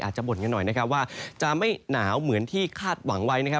บ่นกันหน่อยนะครับว่าจะไม่หนาวเหมือนที่คาดหวังไว้นะครับ